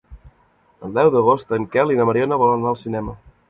El deu d'agost en Quel i na Mariona volen anar al cinema.